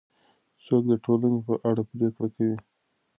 څوک د ټولنې په اړه پرېکړه کوي؟